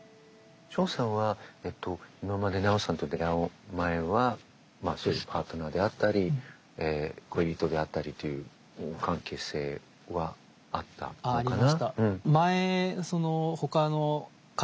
ショウさんは今までナオさんと出会う前はまあそういうパートナーであったり恋人であったりという関係性はあったのかな？